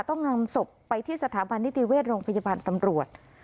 ต้องนำศพไปที่สถาบันนิติเวชโรงพยาบาลตำรวจ